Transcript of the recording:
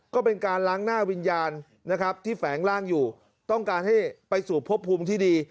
ก็เป็นการล้างหน้าวิญญาณนะครับที่แฝงร่างอยู่ต้องการให้ไปสู่พบภูมิที่ดี